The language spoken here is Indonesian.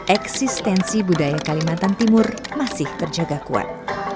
eksistensi budaya kalimantan timur masih terjaga kuat